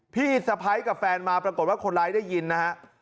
พี่สะพ้ายกับแฟนมาปรากฏว่าคนร้ายได้ยินนะฮะ